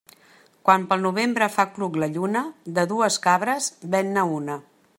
Quan pel novembre fa cluc la lluna, de dues cabres ven-ne una.